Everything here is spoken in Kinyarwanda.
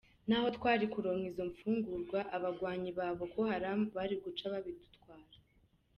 "N'aho twari kuronka izo mfungurwa abagwanyi ba Boko Haram bari guca babidutwara.